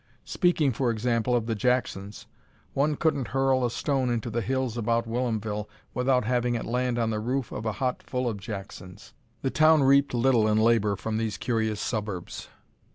Speaking, for example, of the Jacksons one couldn't hurl a stone into the hills about Whilomville without having it land on the roof of a hut full of Jacksons. The town reaped little in labor from these curious suburbs.